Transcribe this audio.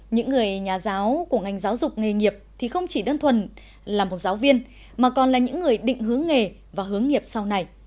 những người nhà giáo của ngành giáo dục nghề nghiệp thì không chỉ đơn thuần là một giáo viên mà còn là những người định hướng nghề và hướng nghiệp sau này